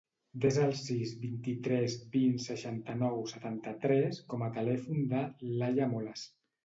Desa el sis, vint-i-tres, vint, seixanta-nou, setanta-tres com a telèfon de l'Aya Molas.